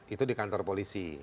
itu di kantor polisi